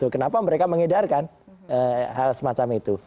kenapa mereka mengedarkan hal semacam itu